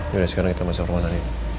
yaudah sekarang kita masuk rumah tadi